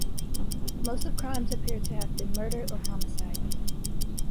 Most of the crimes appear to have been murder or homicide.